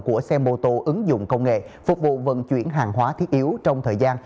của xe mô tô ứng dụng công nghệ phục vụ vận chuyển hàng hóa thiết yếu trong thời gian